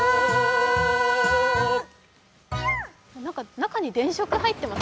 中に電飾、入ってます？